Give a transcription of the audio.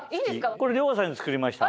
これ遼河さんに作りました。